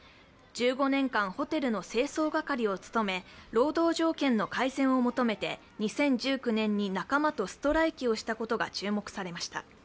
１５年間、ホテルの清掃係を務め、労働条件の改善を求めて２０１９年に仲間とストライキをしたことが注目されました。